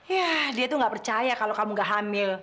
ya dia tuh gak percaya kalau kamu gak hamil